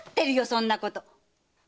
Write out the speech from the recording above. そんなこと！